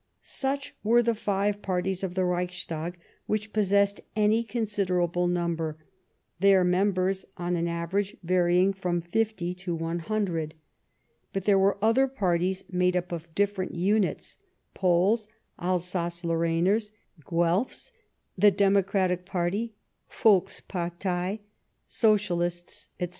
Such were the five parties of the Reichstag which possessed any considerable numbers, their members on an average varying from 50 to 100. But there were other parties, made up of different units — Poles, Alsace Lor rainers, Guelphs, the Democratic Party (Volkspartei), Socialists, etc.